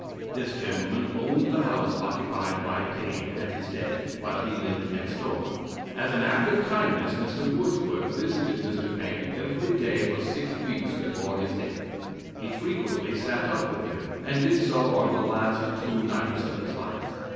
This gentleman owned the house occupied by Paine at his death, while he lived next door. As an act of kindness, Mr. Woodsworth visited Mr. Paine every day for six weeks before his death. He frequently sat up with him and did so on the last two nights of his life.